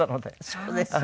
そうですか。